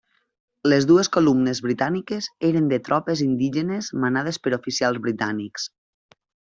Les dues columnes britàniques eren de tropes indígenes manades per oficials britànics.